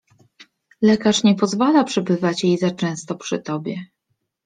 — Lekarz nie pozwala przebywać jej za często przy tobie.